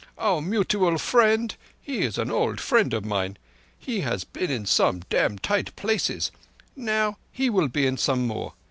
Our mutual friend, he is old friend of mine. He has been in some dam' tight places. Now he will be in some more.